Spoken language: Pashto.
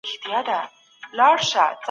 تغذیه د هر انسان لپاره شخصي ده.